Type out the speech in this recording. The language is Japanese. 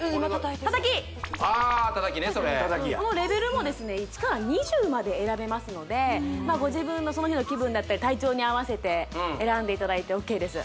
たたきああたたきねそれたたきやレベルもですね１２０まで選べますのでご自分のその日の気分だったり体調に合わせて選んでいただいてＯＫです